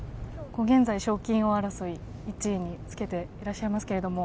◆現在、賞金王争い１位につけていらっしゃいますけれども。